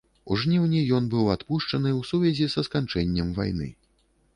У жніўні ён быў адпушчаны ў сувязі са сканчэннем вайны.